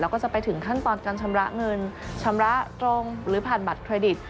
แล้วก็จะไปถึงขั้นตอนการชำระเงินชำระตรงหรือผ่านบัตรเครดิต